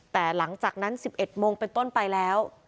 แต่หลังจากนั้น๑๑โมงเป็นต้นไปแล้ว